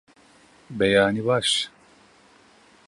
Beyanî baş!